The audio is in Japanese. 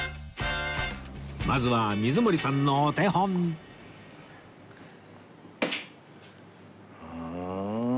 まずは水森さんのお手本ああ。